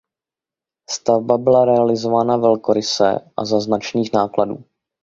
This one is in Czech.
Stavba byla realizována velkoryse a za značných nákladů.